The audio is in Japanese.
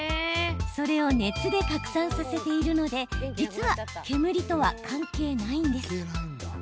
それを熱で拡散させているので実は煙とは関係ないんです。